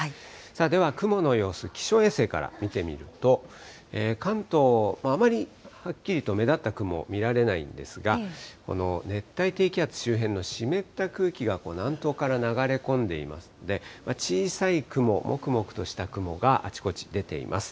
では雲の様子、気象衛星から見てみると、関東、あまりはっきりと目立った雲、見られないんですが、この熱帯低気圧周辺の湿った空気が南東から流れ込んでいますので、小さい雲、もくもくとした雲があちこち出ています。